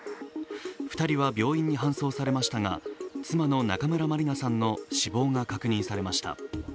２人は病院に搬送されましたが妻の中村まりなさんの死亡が確認されました。